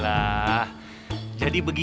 sampai di sini